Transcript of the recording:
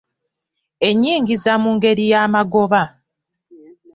Ennyingiza mu ngeri y'amagoba.